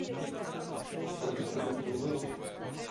Proč jste tak mluvil?